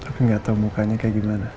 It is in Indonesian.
tapi enggak tahu mukanya kayak gimana